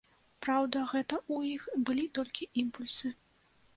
Праўда, гэта ў іх былі толькі імпульсы.